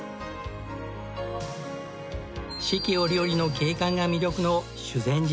四季折々の景観が魅力の修禅寺。